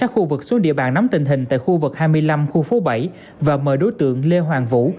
khu vực xuống địa bàn nắm tình hình tại khu vực hai mươi năm khu phố bảy và mời đối tượng lê hoàng vũ